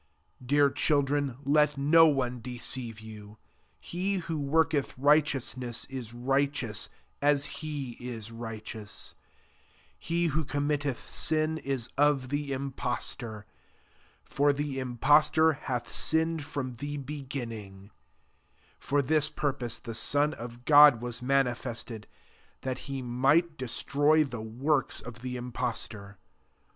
7 Dear children, let no one deceive you. He who worketb righteousness is righteous, as he is righteous : 8 he who com mitteth sin, is of the impostor,* for the impostor hath sinned from the beginning: for this purpose the Son of God was manifested, that he might des troy the works of the impostor.